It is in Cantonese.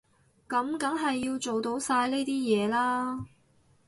噉梗係要做到晒呢啲嘢啦